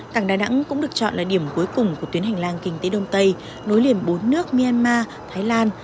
cảng đà nẵng cũng được chọn là điểm cuối cùng của tuyến hành lang kinh tế đông tây nối liền bốn nước myanmar thái lan